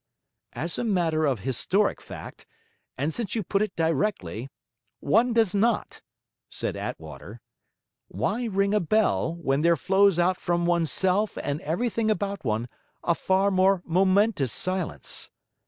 'As a matter of historic fact, and since you put it directly, one does not,' said Attwater. 'Why ring a bell, when there flows out from oneself and everything about one a far more momentous silence?